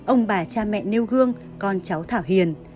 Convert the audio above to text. ông bà cha mẹ nêu gương con cháu thảo hiền